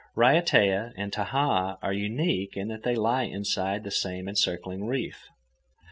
Raiatea and Tahaa are unique in that they lie inside the same encircling reef.